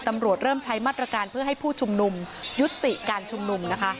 ตำรวจเริ่มใช้มาตรการเพื่อให้ผู้ชุมนุมยุติการชุมนุมนะคะ